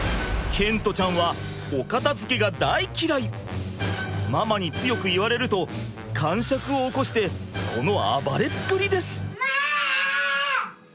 賢澄ちゃんはママに強く言われるとかんしゃくを起こしてこの暴れっぷりです。